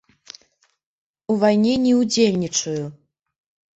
У вайне не ўдзельнічаю.